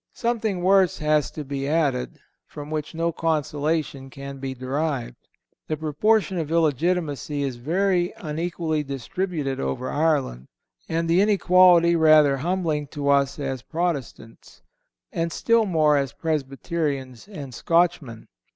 Something worse has to be added, from which no consolation can be derived. The proportion of illegitimacy is very unequally distributed over Ireland, and the inequality rather humbling to us as Protestants, and still more as Presbyterians and Scotchmen.